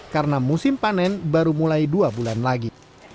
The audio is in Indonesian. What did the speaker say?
karena musim panen baru mulai dua bulan lagi